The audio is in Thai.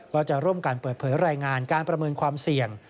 ก็จะร่วมกันเปิดเผยรายงานการประเมินความเสี่ยง